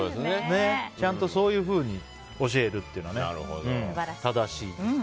ちゃんと、そういうふうに教えるというのは素晴らしい。